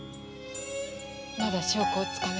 まだ証拠をつかめず。